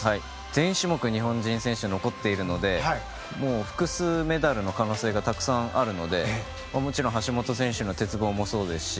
全種目日本人選手残っているので複数メダルの可能性がたくさんあるのでもちろん橋本選手の鉄棒もそうですし